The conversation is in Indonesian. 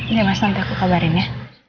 nih mas nanti aku kabarin ya